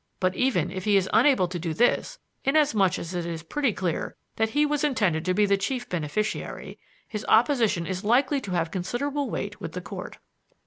But even if he is unable to do this, inasmuch as it is pretty clear that he was intended to be the chief beneficiary, his opposition is likely to have considerable weight with the Court."